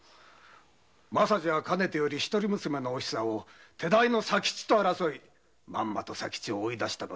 政次はかねてより一人娘のお久を手代の佐吉と争いまんまと佐吉を追い出し。